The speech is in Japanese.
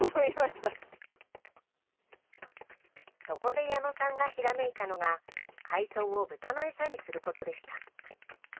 そこで矢野さんがひらめいたのが、海藻を豚の餌にすることでした。